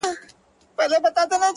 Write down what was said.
• د غم او د ښادۍ کمبلي ورکي دي له خلکو,